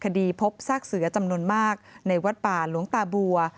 พบซากเสือจำนวนมากในวัดป่าหลวงตาบัว